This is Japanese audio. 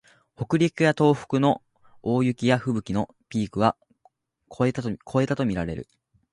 北陸や東北の大雪やふぶきのピークは越えたとみられる